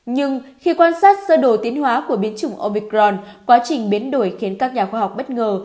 nhưng khi quan sát sơ đồ tiến hóa của biến chủng obicron quá trình biến đổi khiến các nhà khoa học bất ngờ